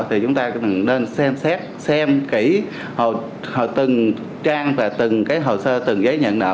thì chúng ta nên xem xét xem kỹ từng trang và từng hồ sơ từng giấy nhận nợ